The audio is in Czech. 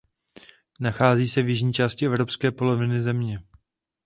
Nachází se v jižní části evropské poloviny země.